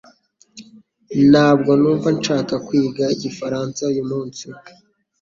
Ntabwo numva nshaka kwiga igifaransa uyumunsi